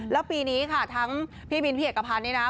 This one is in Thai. แล้วปีนี้ค่ะทั้งพี่บินพี่เอกพันธ์นี่นะ